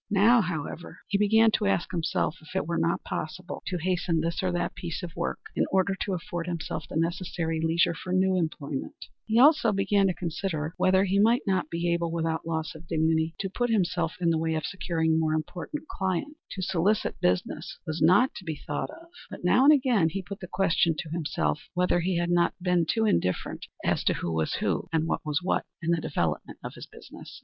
Now, however, he began to ask himself if it were not possible to hasten this or that piece of work in order to afford himself the necessary leisure for new employment. He began also to consider whether he might not be able, without loss of dignity, to put himself in the way of securing more important clients. To solicit business was not to be thought of, but now and again he put the question to himself whether he had not been too indifferent as to who was who, and what was what, in the development of his business.